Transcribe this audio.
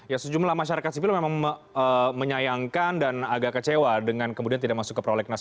ya sejumlah masyarakat sipil memang menyayangkan dan agak kecewa dengan kemudian tidak masuk ke prolegnas